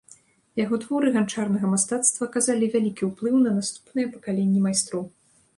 Яго творы ганчарнага мастацтва аказалі вялікі ўплыў на наступныя пакаленні майстроў.